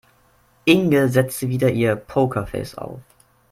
Inge setzte wieder ihr Pokerface auf.